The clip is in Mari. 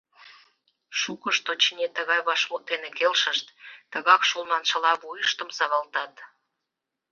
Шукышт, очыни, тыгай вашмут дене келшышт, «тыгак шол» маншыла, вуйыштым савалтат.